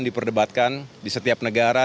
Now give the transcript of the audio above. diperdebatkan di setiap negara